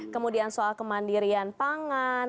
kemudian soal kemandirian pangan